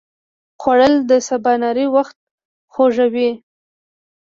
خوړل د سباناري وخت خوږوي